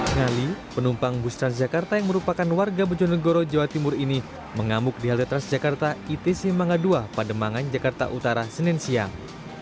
ngalih penumpang bus transjakarta yang merupakan warga bejonegoro jawa timur ini mengamuk di halte transjakarta itc mangga dua pada mangan jakarta utara senin siang